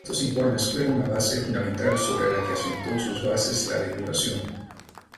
Estos informes fueron la base fundamental sobre la que asentó sus bases la depuración.